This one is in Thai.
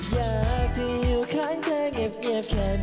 อยากที่อยู่ข้างเธอเงียบแค่นี้